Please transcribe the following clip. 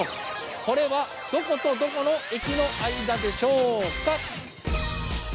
これはどことどこの駅の間でしょうか？